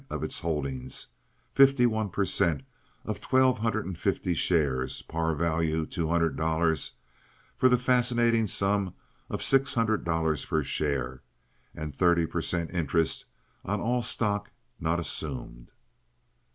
of its holdings—fifty one per cent. of twelve hundred and fifty shares, par value two hundred dollars—for the fascinating sum of six hundred dollars per share, and thirty per cent. interest on all stock not assumed.